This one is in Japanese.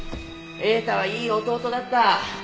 栄太はいい弟だった。